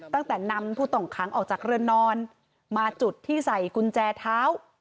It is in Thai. ตั้งแต่นำผู้ต้องขังออกจากเรือนนอนมาจุดที่ใส่กุญแจเท้า